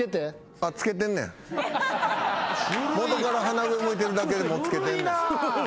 元から鼻上向いてるだけでもうつけてんねん。